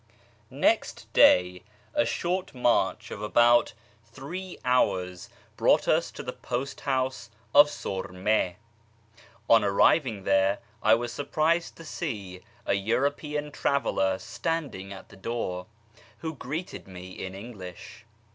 Next day a short march of about three hours brought us to the post house of Surme. On arriving there, I was sur prised to see a European traveller standing at the door, who greeted me in English.